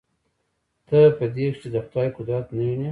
ته په دې کښې د خداى قدرت نه وينې.